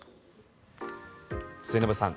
末延さん